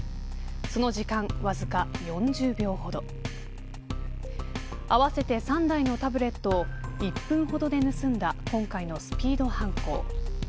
その時間、わずか４０秒ほど合わせて３台のタブレットを１分ほどで盗んだ今回のスピード犯行。